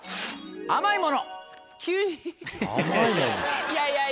甘いもの？